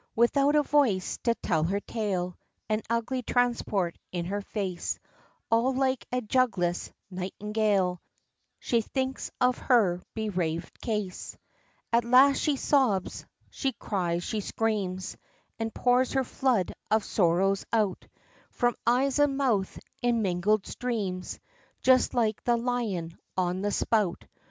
Without a voice to tell her tale, And ugly transport in her face; All like a jugless nightingale, She thinks of her bereavèd case. At last she sobs she cries she screams! And pours her flood of sorrows out, From eyes and mouth, in mingled streams, Just like the lion on the spout.